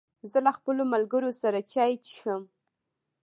زه له خپلو ملګرو سره چای څښم.